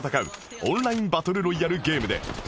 オンラインバトルロイヤルゲームで